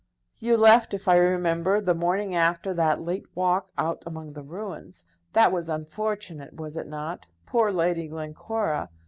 "You left, if I remember, the morning after that late walk out among the ruins? That was unfortunate, was it not? Poor Lady Glencora!